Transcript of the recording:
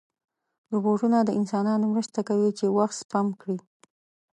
روبوټونه د انسانانو مرسته کوي چې وخت سپم کړي.